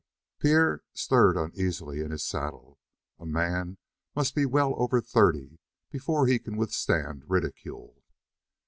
Pierre stirred uneasily in his saddle. A man must be well over thirty before he can withstand ridicule.